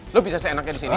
lo bisa seenaknya disini